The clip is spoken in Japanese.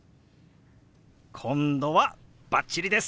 今度はバッチリです！